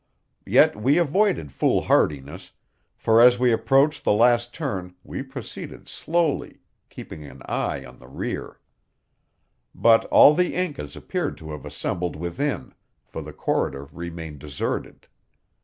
Yet we avoided foolhardiness, for as we approached the last turn we proceeded slowly, keeping an eye on the rear. But all the Incas appeared to have assembled within, for the corridor remained deserted.